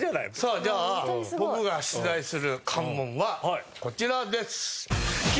さあじゃあ僕が出題する関門はこちらです。